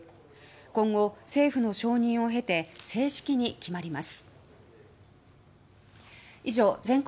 今後、政府の承認を経て正式に決まります。